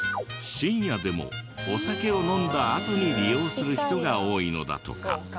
深夜でもお酒を飲んだあとに利用する人が多いのだとか。